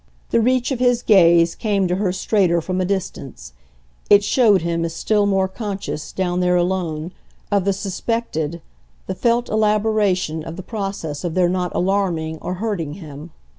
The reach of his gaze came to her straighter from a distance; it showed him as still more conscious, down there alone, of the suspected, the felt elaboration of the process of their not alarming or hurting him.